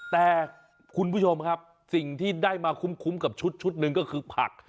แต่คุณผู้ชมครับสิ่งที่ได้มาคุ้มกับชุดหนึ่งก็คือผัก